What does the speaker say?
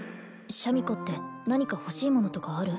シャミ子って何か欲しいものとかある？